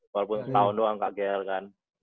walaupun satu tahun doang kaget kan